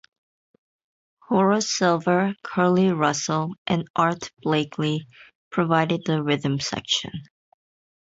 Horace Silver, Curly Russell, and Art Blakey provided the rhythm section.